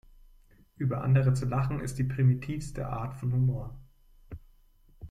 Über andere zu lachen, ist die primitivste Art von Humor.